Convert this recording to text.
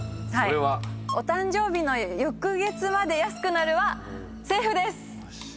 お誕生日の翌月まで安くなるはセーフです！